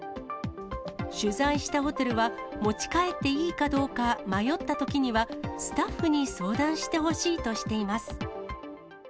取材したホテルは、持ち帰っていいかどうか、迷ったときには、スタッフに相談してほしいとしています。